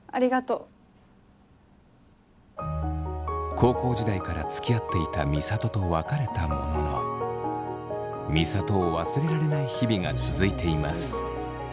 高校時代からつきあっていた美里と別れたものの美里を忘れられない日々が続いています。